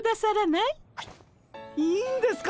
いいんですか！？